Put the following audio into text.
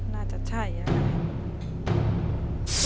น่าจะใช่นะครับ